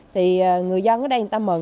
thì người dân ở đây người ta mừng